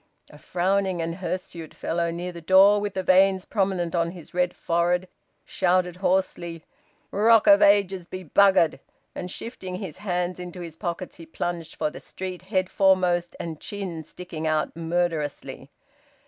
'" A frowning and hirsute fellow near the door, with the veins prominent on his red forehead, shouted hoarsely, "`Rock of Ages' be buggered!" and shifting his hands into his pockets he plunged for the street, head foremost and chin sticking out murderously.